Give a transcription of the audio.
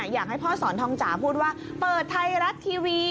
อยากให้พ่อสอนทองจ๋าพูดว่าเปิดไทยรัฐทีวี